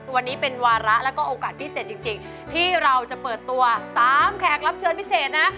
วันนี้เป็นวาระแล้วก็โอกาสพิเศษจริงที่เราจะเปิดตัว๓แขกรับเชิญพิเศษนะ